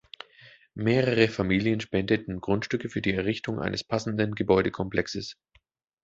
Mehrere Familien spendeten Grundstücke für die Errichtung eines passenden Gebäudekomplexes.